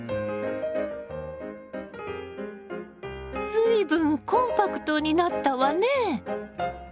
随分コンパクトになったわね！